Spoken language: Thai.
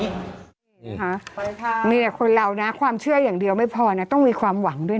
มีค่ะมีแต่คนเรานะความเชื่ออย่างเดียวไม่พอนะต้องมีความหวังด้วย